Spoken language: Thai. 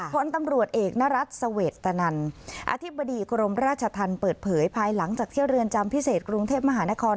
พลตำรวจเอกนรัฐเสวตนันอธิบดีกรมราชธรรมเปิดเผยภายหลังจากที่เรือนจำพิเศษกรุงเทพมหานคร